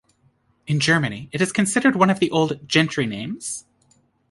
In Germany it is considered one of the old "gentry names".